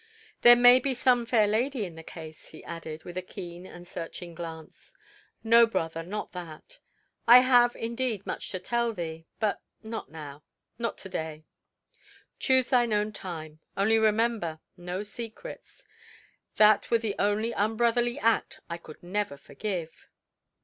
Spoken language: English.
There may be some fair lady in the case," he added, with a keen and searching glance. "No, brother not that I have indeed much to tell thee, but not now not to day." "Choose thine own time; only remember, no secrets. That were the one unbrotherly act I could never forgive."